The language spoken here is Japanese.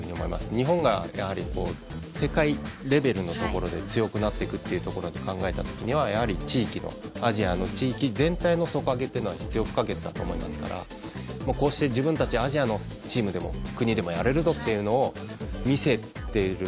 日本が世界レベルのところで強くなっていくということを考えた時はやはりアジア地域全体の底上げが必要不可欠だと思いますからこうして自分たちアジアの国でもやれるぞっていうのを見せている。